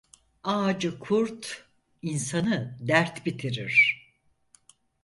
Ağacı kurt, insanı dert bitirir.